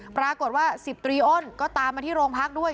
ปรากฏว่า๑๐ตรีอ้นก็ตามมาที่โรงพักด้วย